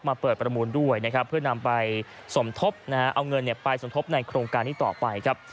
เปิดประมูลด้วยนะครับเพื่อนำไปสมทบนะฮะเอาเงินไปสมทบในโครงการนี้ต่อไปครับ